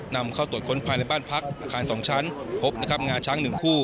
นำเข้าตรวจค้นภายในบ้านพักอาคาร๒ชั้นพบนะครับงาช้าง๑คู่